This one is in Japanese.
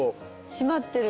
締まってる。